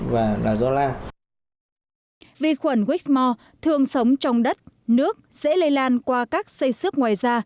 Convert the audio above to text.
vì khuẩn whitmore thường sống trong đất nước dễ lây lan qua các xây xước ngoài da